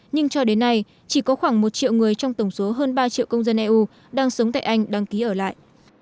nhưng cho đến nay chỉ có khoảng một triệu người trong tổng số hơn ba triệu công dân eu đang sống tại anh đăng ký ở lại